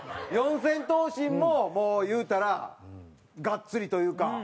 四千頭身ももういうたらがっつりというか。